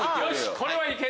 これは行ける！